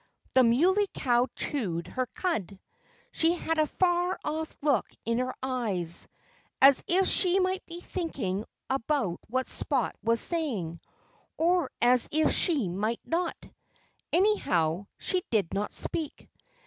The Muley Cow chewed her cud. She had a far off look in her eyes, as if she might be thinking about what Spot was saying or as if she might not. Anyhow, she did not speak.